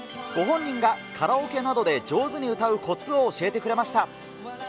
ご本人がカラオケなどで上手に歌うこつを教えてくれました。